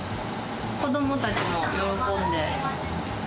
子どもたちも喜んで。